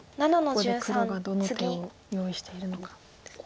ここで黒がどの手を用意しているのかですね。